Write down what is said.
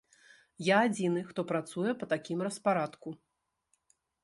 Я адзіны, хто працуе па такім распарадку.